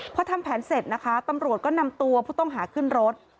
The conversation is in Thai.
พอทำแผนเสร็จนะคะตำรวจก็นำตัวผู้ต้องหาขึ้นรถ